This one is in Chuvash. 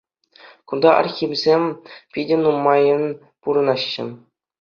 Кунта Архимсем питӗ нумайӑн пурӑнаҫҫӗ.